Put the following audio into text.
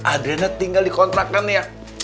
adriana tinggal dikontrakan ya